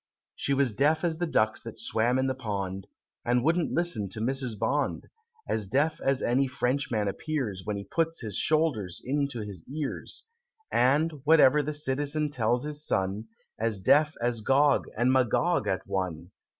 She was deaf as the ducks that swam in the pond, And wouldn't listen to Mrs. Bond, As deaf as any Frenchman appears, When he puts his shoulders into his ears: And whatever the citizen tells his son As deaf as Gog and Magog at one!